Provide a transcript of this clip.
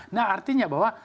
nah artinya bahwa